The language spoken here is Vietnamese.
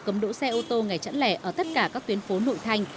cấm đỗ xe ô tô ngày chẵn lẻ ở tất cả các tuyến phố nội thành